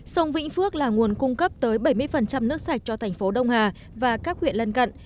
sông vĩnh phước là nguồn cung cấp tới bảy mươi nước sạch cho thành phố đông hà và các huyện lân cận